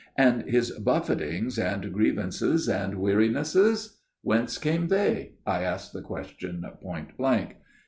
And his buffetings and grievances and wearinesses? Whence came they? I asked the question point blank.